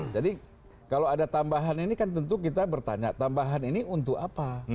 jadi kalau ada tambahan ini kan tentu kita bertanya tambahan ini untuk apa